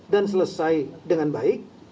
dan selesai dengan baik